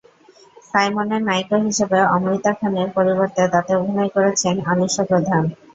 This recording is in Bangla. সাইমনের নায়িকা হিসেবে অমৃতা খানের পরিবর্তে তাতে অভিনয় করেছেন আলিশা প্রধান।